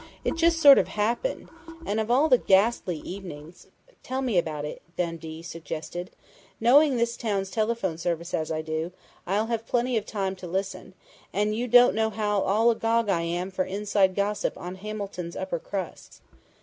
"It just sort of happened, and of all the ghastly evenings " "Tell me about it," Dundee suggested. "Knowing this town's telephone service as I do, I'll have plenty of time to listen, and you don't know how all agog I am for inside gossip on Hamilton's upper crust."